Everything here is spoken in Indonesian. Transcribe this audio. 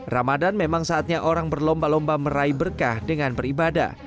ramadan memang saatnya orang berlomba lomba meraih berkah dengan beribadah